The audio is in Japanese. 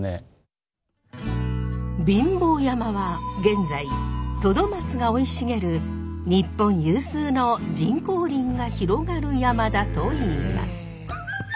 貧乏山は現在トドマツが生い茂る日本有数の人工林が広がる山だといいます。